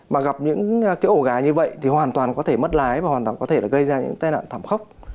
mà gặp những cái ổ gà như vậy thì hoàn toàn có thể mất lái và hoàn toàn có thể là gây ra những tai nạn thảm khốc